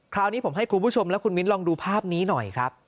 คราวนี้ผมให้คุณผู้ชมและคุณมิ้นลองดูภาพนี้หน่อยครับ